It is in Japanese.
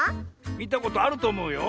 みたことあるとおもうよ。